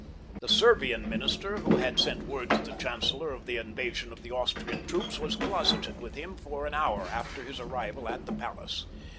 The Serbian minister who had sent word to the chancellor of the invasion by the Austrian troops was closeted with him for an hour after his arrival at the palace.